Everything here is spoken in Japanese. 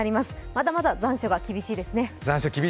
まだまだ残暑が厳しいですね。